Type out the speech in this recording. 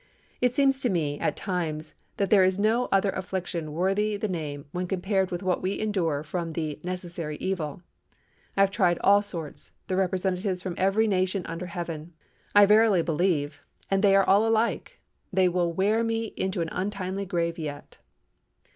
It seems to me, at times, that there is no other affliction worthy the name when compared with what we endure from the 'Necessary Evil.' I have tried all sorts—the representatives from every nation under heaven, I verily believe—and they are all alike! They will wear me into an untimely grave yet."